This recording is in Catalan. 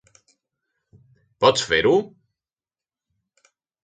Pots fer-ho?